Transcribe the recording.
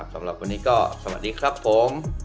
สำหรับวันนี้ก็สวัสดีครับผม